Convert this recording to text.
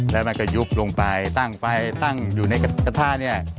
แล้วมันก็ยุบลงไปตั้งไฟตั้งอยู่ในกระทะเนี่ย